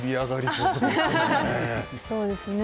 そうですね。